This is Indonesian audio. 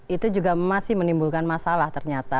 itu juga masih menimbulkan masalah ternyata